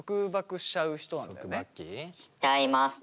しちゃいますね。